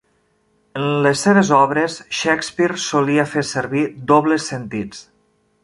En les seves obres, Shakespeare solia fer servir dobles sentits.